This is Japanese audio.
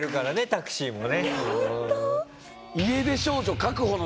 タクシーもね。